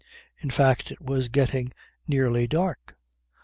In fact it was getting nearly dark.